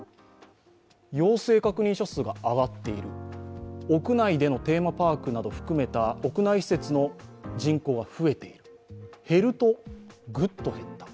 陽性確認者数が上がっている屋内でのテーマパークなど含めた屋内施設の人口が増えている、減るとぐっと減っている。